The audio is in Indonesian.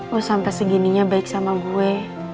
lo sampe segininya baik sama gue